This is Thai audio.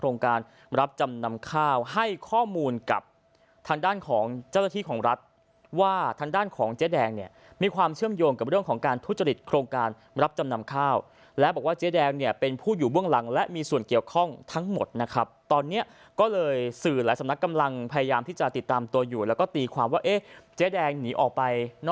รับจำนำข้าวให้ข้อมูลกับทางด้านของเจ้าหน้าที่ของรัฐว่าทางด้านของเจ๊แดงเนี่ยมีความเชื่อมโยงกับเรื่องของการทุจริตโครงการรับจำนำข้าวและบอกว่าเจ๊แดงเนี่ยเป็นผู้อยู่เบื้องหลังและมีส่วนเกี่ยวข้องทั้งหมดนะครับตอนนี้ก็เลยสื่อหลายสำนักกำลังพยายามที่จะติดตามตัวอยู่แล้วก็ตีความว่าเอ๊ะเจ๊แดงหนีออกไปน